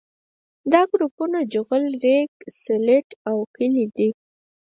دا ګروپونه جغل ریګ سلټ او کلې دي